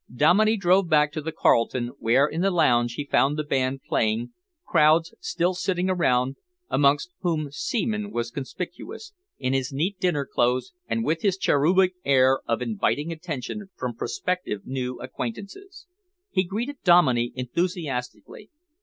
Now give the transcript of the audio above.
Dominey drove back to the Carlton, where in the lounge he found the band playing, crowds still sitting around, amongst whom Seaman was conspicuous, in his neat dinner clothes and with his cherubic air of inviting attention from prospective new acquaintances. He greeted Dominey enthusiastically.